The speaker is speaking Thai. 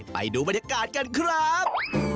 ไปดูบรรยากาศกันครับ